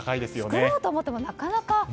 作ろうと思ってもなかなか。